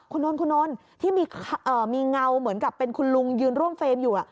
คุณนนท์คุณนนท์ที่มีเงาเหมือนกับเป็นคุณลุงยืนร่วมเฟรมอยู่